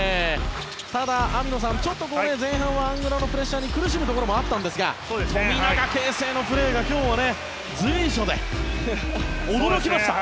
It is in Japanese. ただ、網野さん前半はアンゴラのプレッシャーに苦しむところもあったんですが富永啓生のプレーが今日は随所で、驚きました。